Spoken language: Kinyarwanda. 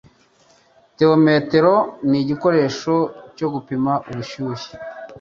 Therometero ni igikoresho cyo gupima ubushyuhe.